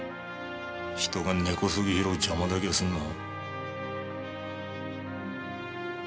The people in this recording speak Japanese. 人が根こそぎ拾う邪魔だけはするな。